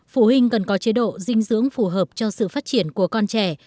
phụ huynh cần có chế độ dinh dưỡng phù hợp cho sự phát triển của con trẻ